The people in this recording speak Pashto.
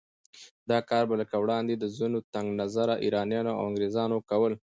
دا کار به لکه وړاندې چې ځينو تنګ نظره ایرانیانو او انګریزانو کول